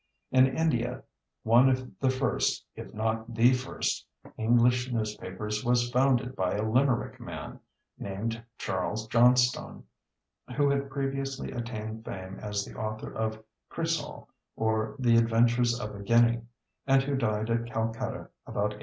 In India one of the first if not the first English newspapers was founded by a Limerick man, named Charles Johnstone, who had previously attained fame as the author of Chrysal, or the Adventures of a Guinea, and who died at Calcutta about 1800.